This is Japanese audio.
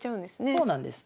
そうなんです。